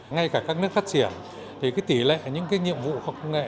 ngay cả các nước phát triển tỷ lệ những nhiệm vụ khoa học công nghệ